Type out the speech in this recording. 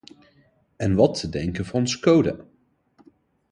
En wat te denken van Škoda?